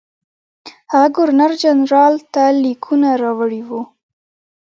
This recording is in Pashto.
هغه ګورنرجنرال ته لیکونه راوړي وو.